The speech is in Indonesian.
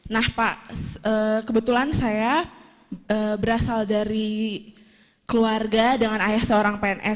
nah pak kebetulan saya berasal dari keluarga dengan ayah seorang pns